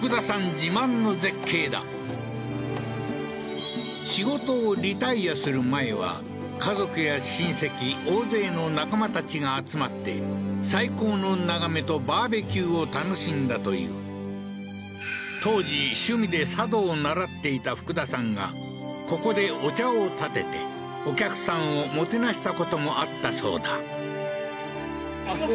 自慢の絶景だ仕事をリタイアする前は家族や親戚大勢の仲間たちが集まって最高の眺めとＢＢＱを楽しんだという当時趣味で茶道を習っていた福田さんがここでお茶を点ててお客さんをもてなしたこともあったそうだえっ？